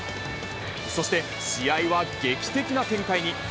そして、試合は劇的な展開に。